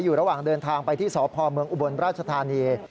อยู่ระหว่างเดินทางไปที่สพเมืองอุบลราชธานี